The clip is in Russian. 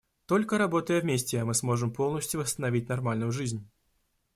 Только работая вместе, мы сможем полностью восстановить нормальную жизнь.